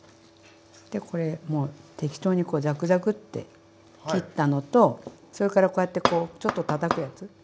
でこれもう適当にこうザクザクッて切ったのとそれからこうやってちょっとたたくやつ。